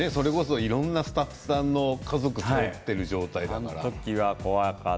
いろんなスタッフさんの家族を背負っている状態だから。